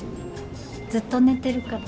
ずっと寝てるから。